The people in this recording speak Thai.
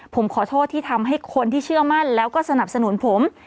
ผมขอโทษที่ทำให้คนที่เชื่อมั่นแล้วก็สนับสนุนผม